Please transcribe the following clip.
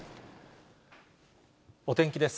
お天気です。